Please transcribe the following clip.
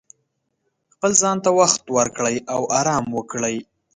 خپل ځان ته وخت ورکړئ او ارام وکړئ.